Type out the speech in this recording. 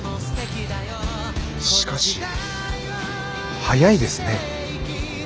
しかし速いですね足。